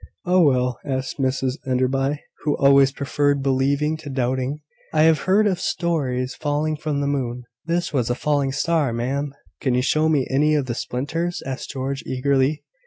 "Oh, well," said Mrs Enderby, who always preferred believing to doubting; "I have heard of stones falling from the moon." "This was a falling star, ma'am." "Can you show me any of the splinters?" asked George, eagerly.